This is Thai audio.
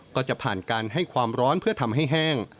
ก็จะผ่านการให้ความร้อนเพื่อทำให้แห้ง